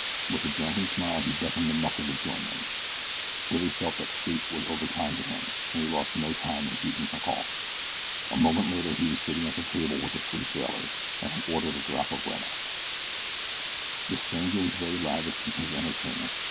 With a drunken smile he beckoned to the mucker to join them. Billy felt that Fate was overkind to him, and he lost no time in heeding her call. A moment later he was sitting at the table with the three sailors, and had ordered a drop of red eye. The stranger was very lavish in his entertainment.